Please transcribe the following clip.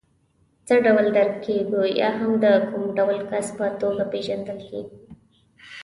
څه ډول درک کېږو یا هم د کوم ډول کس په توګه پېژندل کېږو.